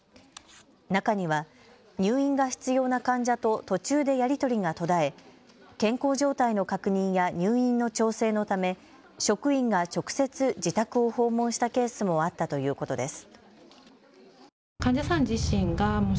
中には入院が必要な患者と途中でやり取りが途絶え健康状態の確認や入院の調整のため職員が直接自宅を訪問したケースもあったということです。